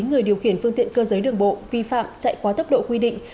người điều khiển phương tiện cơ giới đường bộ vi phạm chạy quá tốc độ quy định